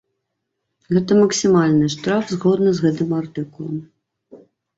Гэта максімальны штраф згодна з гэтым артыкулам.